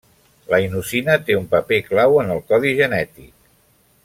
La inosina té un paper clau en el codi genètic.